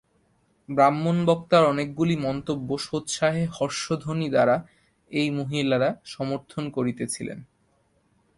ব্রাহ্মণ বক্তার অনেকগুলি মন্তব্য সোৎসাহে হর্ষধ্বনি দ্বারা এই মহিলারা সমর্থন করিতেছিলেন।